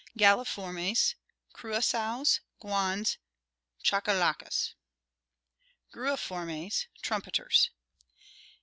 Galliformes; cruassows, guans, chachalacas. Gruiformes: trumpeters.